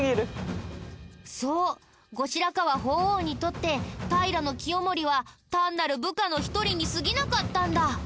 そう後白河法皇にとって平清盛は単なる部下の一人に過ぎなかったんだ。